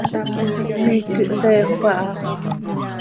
Miiqui hseejöc aha.